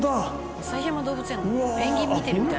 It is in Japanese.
「旭山動物園のペンギン見てるみたいな」